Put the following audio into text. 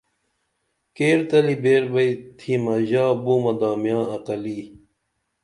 کیر تلی بیر بئی تِھمہ ژا بُومہ دامیاں عقلی